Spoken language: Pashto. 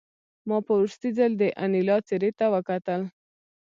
ما په وروستي ځل د انیلا څېرې ته وکتل